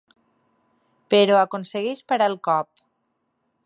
Però aconsegueix parar el cop.